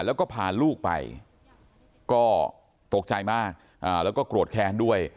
แล้วก็พาลูกไปก็ตกใจมากแล้วก็โกรธแค้นด้วย